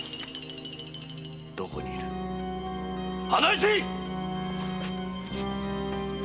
どこにいる案内せい！